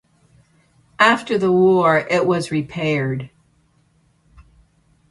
After the war it was repaired.